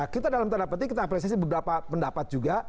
nah kita dalam terdapat ini kita apresiasi beberapa pendapat juga